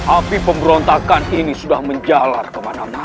api pemberontakan ini sudah menjalar kemana mana